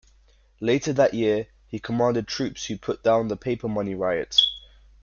Later that year, he commanded troops who put down the Paper Money Riot.